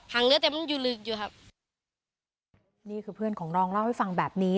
งเนื้อเต็มอยู่ลึกอยู่ครับนี่คือเพื่อนของน้องเล่าให้ฟังแบบนี้